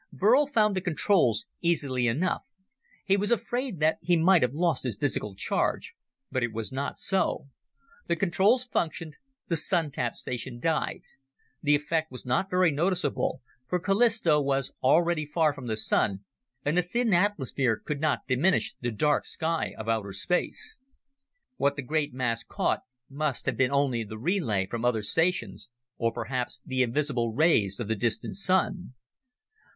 Burl found the controls easily enough. He was afraid that he might have lost his physical charge, but it was not so. The controls functioned, the Sun tap station died. The effect was not very noticeable, for Callisto was already far from the Sun and the thin atmosphere could not diminish the dark sky of outer space. What the great masts caught must have been only the relay from other stations or perhaps the invisible rays of the distant Sun.